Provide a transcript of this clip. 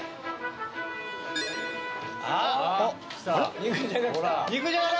あっ肉じゃが来た！